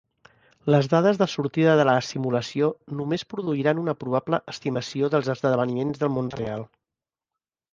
Les dades de sortida de la simulació només produiran una probable "estimació" dels esdeveniments del món real.